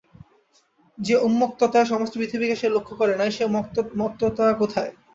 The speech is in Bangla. যে উন্মত্ততায় সমস্ত পৃথিবীকে সে লক্ষ্য করে নাই, সে মত্ততা কোথায়।